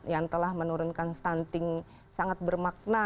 yang telah menurunkan stunting sangat bermakna